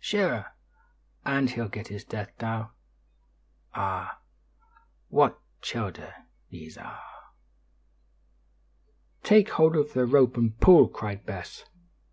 Shure an' he'll get his death now! Arrah, what childer yez arre!" "Take hold of the rope and pull," cried Bess.